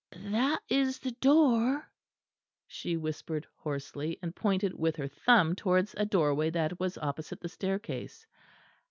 "That is the door," she whispered hoarsely; and pointed with her thumb towards a doorway that was opposite the staircase.